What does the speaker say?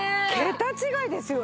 桁違いですよね。